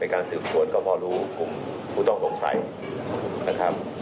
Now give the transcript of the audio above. ในการสืบสวนก็พอรู้ครูกุมผู้ต้องหลงใสนะครับ